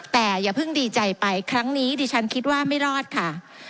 แต่อย่าเพิ่งดีใจไปครั้งนี้ดิฉันคิดว่าไม่รอดค่ะ